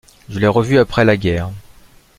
Je l'ai revu après la guerre.